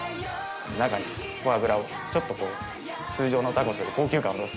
中にフォアグラをちょっとこう通常のタコスより高級感を出す。